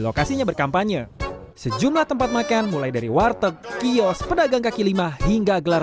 lokasinya berkampanye sejumlah tempat makan mulai dari warteg kios pedagang kaki lima hingga gelar